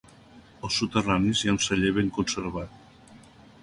Als soterranis hi ha un celler ben conservat.